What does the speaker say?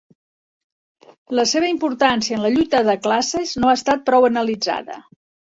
La seua importància en la lluita de classes no ha estat prou analitzada.